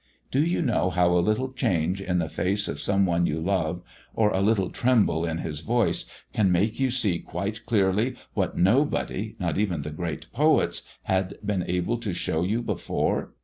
Do you know how a little change in the face of some one you love, or a little tremble in his voice, can make you see quite clearly what nobody, not even the great poets, had been able to show you before?